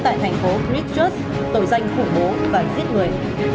tại thành phố christchurch tội danh khủng bố và giết người